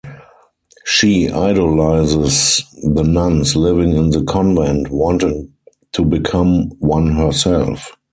She idolizes the nuns living in the convent, wanting to become one herself.